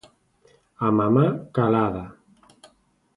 a mamá, calada;